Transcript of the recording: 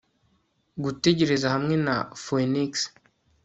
gutegereza hamwe na phoenix